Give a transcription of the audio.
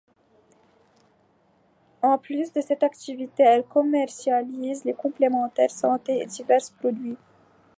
En plus de cette activité, elles commercialisent des complémentaires santé et divers produits.